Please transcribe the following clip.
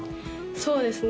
そうですね